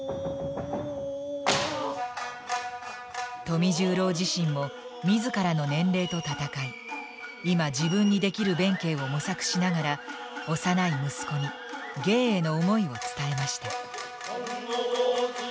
富十郎自身も自らの年齢と闘い今自分にできる弁慶を模索しながら幼い息子に芸への想いを伝えました。